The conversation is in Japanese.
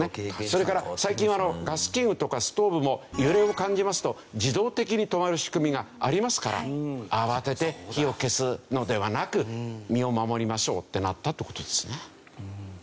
それから最近はガス器具とかストーブも揺れを感じますと自動的に止まる仕組みがありますから慌てて火を消すのではなく身を守りましょうってなったって事ですね。